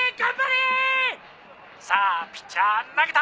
さあピッチャー投げた！